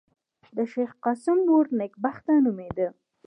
د شېخ قاسم مور نېکبخته نومېده.